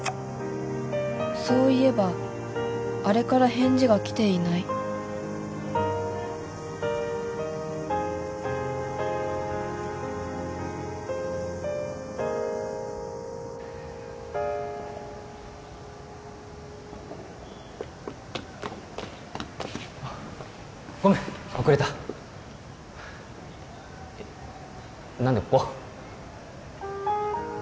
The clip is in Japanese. そういえばあれから返事が来ていないあっごめん遅れた何でここ？